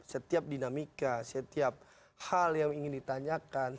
setiap dinamika setiap hal yang ingin ditanyakan